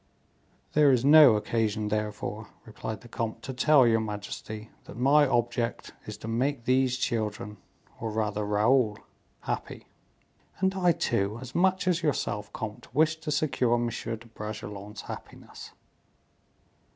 "There is no occasion, therefore," replied the comte, "to tell your majesty that my object is to make these children, or rather Raoul, happy." "And I, too, as much as yourself, comte, wish to secure M. de Bragelonne's happiness."